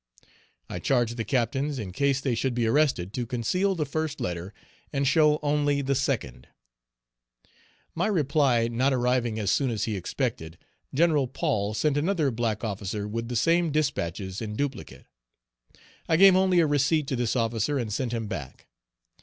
I charged the captains, in case they should be arrested, to conceal the first letter and show only the second. Page 301 My reply not arriving as soon as he expected, Gen. Paul sent another black officer with the same dispatches in duplicate. I gave only a receipt to this officer, and sent him back.